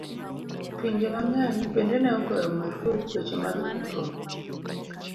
Pinje mang'eny bende ne ogoyo marfuk weche mag nindruok.